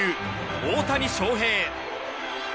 大谷翔平。